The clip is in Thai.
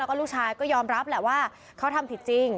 แล้วก็ลูกชายก็ยอมรับแหละว่าเขาทำผิดจริง